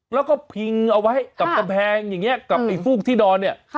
แล้วก็พิงเอาไว้กับกำแพงอย่างนี้กับไอ้ฟูกที่นอนเนี่ย